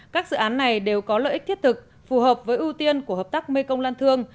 các dự án này đều có lợi ích thiết thực phù hợp với ưu tiên của hợp tác mekong lan thương